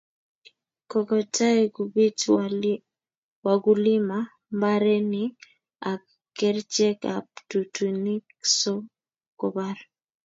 Kokotai kupit wakulima mbarenig ak kercheck ab tutuinik so kopar.